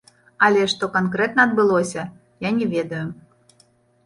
Але што канкрэтна адбылося, я не ведаю.